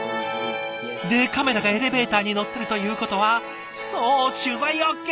でカメラがエレベーターに乗ってるということはそう取材ＯＫ！